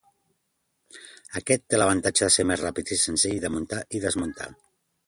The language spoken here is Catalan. Aquest té l'avantatge de ser més ràpid i senzill de muntar i desmuntar.